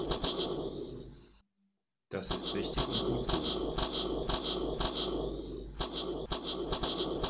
Das ist richtig und gut so.